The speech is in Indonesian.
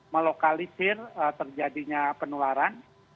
melokalisir terjadinya penularan